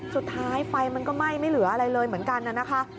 สุดท้ายไฟมันก็ไหม้ไม่เหลืออะไรเลยเหมือนกันนะคะ